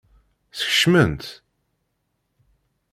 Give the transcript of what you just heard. Skecmen-tt?